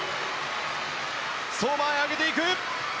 相馬あい、上げていく。